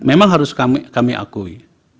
memang harus kami akui